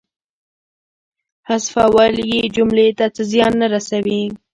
حذفول یې جملې ته څه زیان نه رسوي.